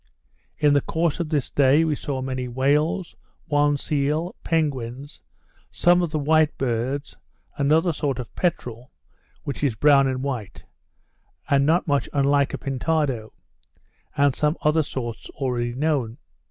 In the course of this day we saw many whales, one seal, penguins, some of the white birds, another sort of peterel, which is brown and white, and not much unlike a pintado; and some other sorts already known.